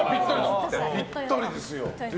ぴったりですよ。